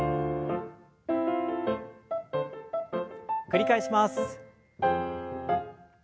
繰り返します。